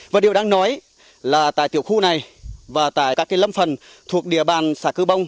và điều đáng nói là tại tiểu khu này và tại các lâm phần thuộc địa bàn xã cư bông